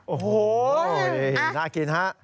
โอ้โฮน่ากินฮะ